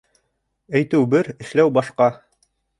Әйтеү бер, эшләү башҡа.